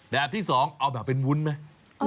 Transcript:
แบบที่สองเอาแบบเป็นวุ้นไหม